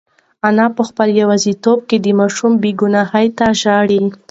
انا په خپل یوازیتوب کې د ماشوم بې گناهۍ ته ژاړي.